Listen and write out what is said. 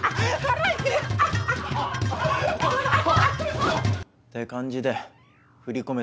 ほっ！って感じで振り込め